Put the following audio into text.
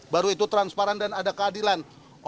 baru itu transparan dan ada keadilan